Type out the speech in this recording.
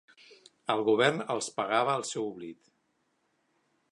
El Govern els pagava el seu oblit.